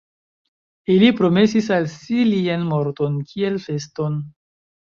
Ili promesis al si lian morton, kiel feston.